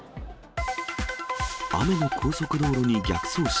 雨の高速道路に逆走車。